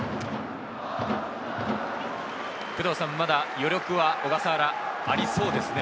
まだ余力は小笠原、ありそうですね。